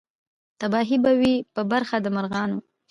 تباهي به وي په برخه د مرغانو